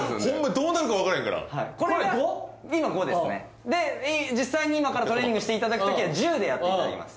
どうなるか分からへんからこれ５？今５ですねで実際に今からトレーニングしていただく時は１０でやっていただきます